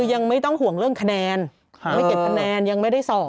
ยังไม่ต้องห่วงเรื่องคะแนนยังไม่เก็บคะแนนยังไม่ได้สอบ